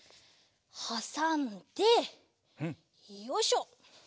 はさんでよいしょ！